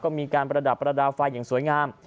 ก็มีการประดับประดาษไฟอย่างสวยงาม